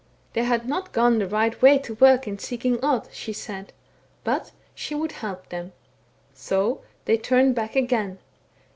* They had not gone the right way to work in seeking Odd,* she said, * but she would help them.' So they turned back again.